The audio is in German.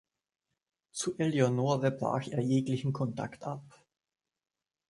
Zu Eleonore brach er jeglichen Kontakt ab.